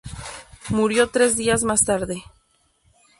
Murió tres días más tarde.